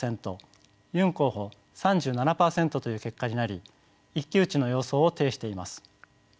ユン候補３７％という結果になり一騎打ちの様相を呈しています。